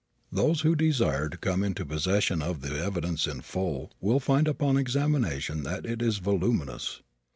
Those who desire to come into possession of the evidence in full will find upon examination that it is voluminous.